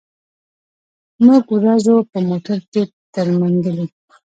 موږ ورځو په موټر کي تر منګلي.